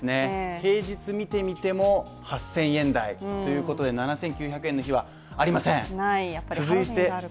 平日見てみても、８０００円台ということで７９００円の日はありません。